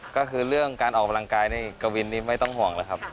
ก็คือเรื่องการออกกำลังกายนี่กวินนี่ไม่ต้องห่วงแล้วครับ